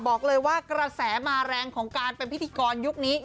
บอกเลยว่ากระแสมาแรงของการเป็นพิธีกรยุคนี้